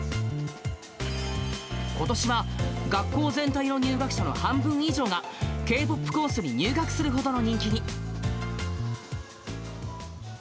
ことしは学校全体の入学者の半分以上がＫ−ＰＯＰコースに入学するほどの人気に。